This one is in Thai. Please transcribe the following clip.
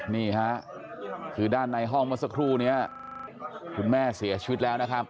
นี่ฮะคือด้านในห้องเมื่อสักครู่นี้คุณแม่เสียชีวิตแล้วนะครับ